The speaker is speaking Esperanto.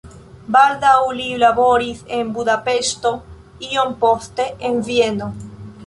Baldaŭ li laboris en Budapeŝto, iom poste en Vieno.